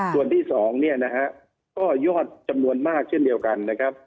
ส่วนที่๒เนี่ยนะฮะก็ยอดจำนวนมากเช่นเดียวกันนะครับ